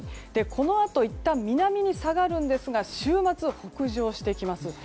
このあといったん南に下がるんですが週末、北上してきます。